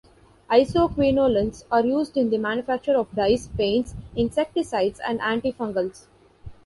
Isoquinolines are used in the manufacture of dyes, paints, insecticides and antifungals.